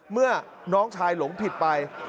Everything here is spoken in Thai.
เมื่อน้องชายหลงผิดไป